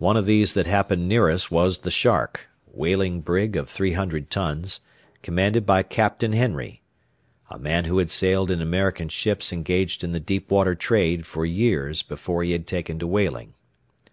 One of these that happened near us was the Shark, whaling brig of three hundred tons, commanded by Captain Henry, a man who had sailed in American ships engaged in the deep water trade for years before he had taken to whaling.